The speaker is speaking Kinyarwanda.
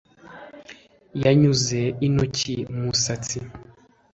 Yanyuze intoki mu musatsi